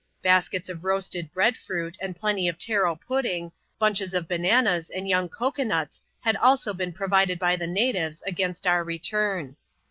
Baskets of roasted bread fruit, and plaitj of taro pudding ; bunches of bananas and young cocoa nuts had also been provided by the natives against our return.